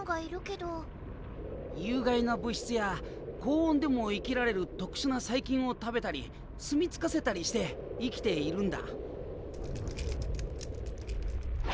有害な物質や高温でも生きられる特殊な細菌を食べたり住み着かせたりして生きているんだ。